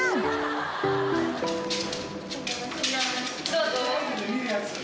・どうぞ。